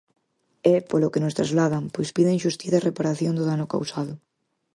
E, polo que nos trasladan, pois piden xustiza e reparación do dano causado.